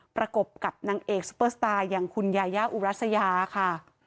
ประกบกับนางเอกซุปเปอร์สตาร์อย่างคุณยายาอุรัสยาค่ะ